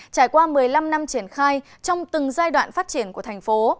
trải qua một mươi năm năm triển khai trong từng giai đoạn phát triển của thành phố